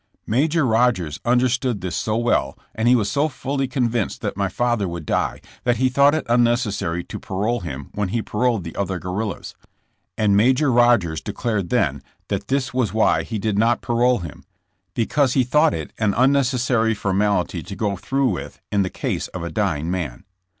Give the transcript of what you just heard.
Major Rodgers understood this so well, and he was so fully con vinced that my father would die, that he thought it unnecessary to parole him when he paroled the other guerrillas, and Major Rodgers declared then that 54 JKSSE JAMES. this was why he did not parole him, because he thought it an unnecessary formality to go through with in the case of a dying man.